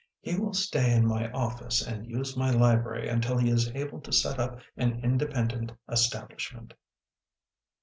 He will stay in my office and use my library until he is able to set up an independent establish ment."